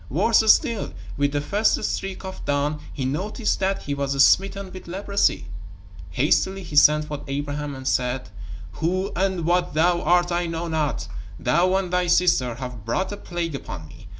Worse still, with the first streak of dawn he noticed that he was smitten with leprosy. Hastily he sent for Abraham and said: "Who and what thou art I know not. Thou and thy sister have brought a plague upon me.